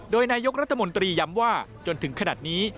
โดยนายกรัฐมนตรีย้ำว่าจนถึงขนาดนี้